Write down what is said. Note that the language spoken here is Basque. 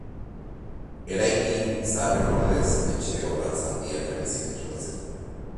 Eraikin zaharren ordez etxe orratz handiak ari ziren sortzen.